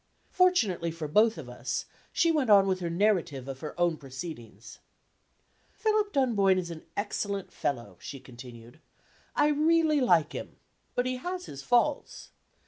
Fortunately for both of us, she went on with her narrative of her own proceedings. "Philip Dunboyne is an excellent fellow," she continued; "I really like him but he has his faults.